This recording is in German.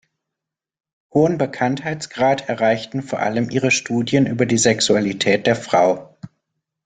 Hohen Bekanntheitsgrad erreichten vor allem ihre Studien über die Sexualität der Frau.